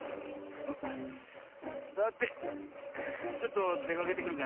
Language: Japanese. さてちょっとでかけてくるかなあ。